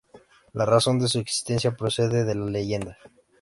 La razón de su existencia procede de la leyenda.